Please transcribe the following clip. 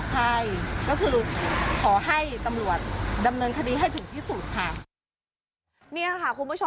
ใช่ก็คือขอให้ตำรวจดำเนินคดีให้ถึงที่สุดค่ะคุณผู้ชม